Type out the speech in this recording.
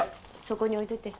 そこに置いといて。